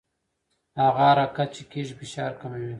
هغه حرکت چې کېږي فشار کموي.